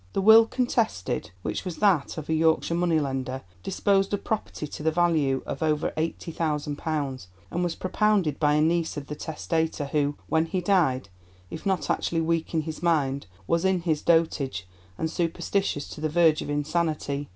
The will contested, which was that of a Yorkshire money lender, disposed of property to the value of over £80,000, and was propounded by a niece of the testator who, when he died, if not actually weak in his mind, was in his dotage, and superstitious to the verge of insanity.